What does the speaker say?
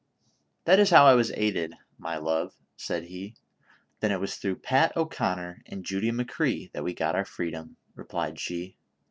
" That is how I was aided, my love," said he. "Then it was through Pat O'Conner and Judy McCrea that we got our freedom," replied she.